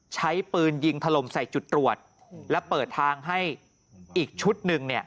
ใช้ปืนยิงถล่มใส่จุดตรวจและเปิดทางให้อีกชุดหนึ่ง